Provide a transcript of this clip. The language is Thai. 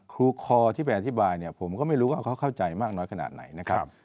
คอที่ไปอธิบายเนี่ยผมก็ไม่รู้ว่าเขาเข้าใจมากน้อยขนาดไหนนะครับ